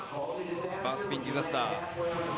ワンスピンディザスター。